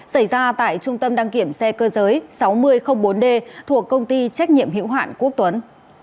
xảy ra tại trung tâm đăng kiểm xe cơ giới sáu nghìn bốn d thuộc công ty trách nhiệm hữu hạn quốc tuấn